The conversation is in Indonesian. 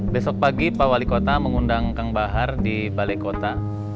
besok pagi pak wali kota mengundang kang bahar di balai kota